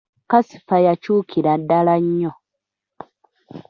Kasifa yakyukira ddala nnyo.